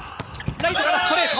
ライトからストレート！